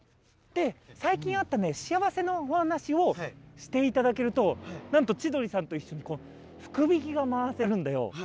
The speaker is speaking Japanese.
で最近あった幸せなお話をしていただけるとなんと千鳥さんと一緒に福引きが回せるんだよ。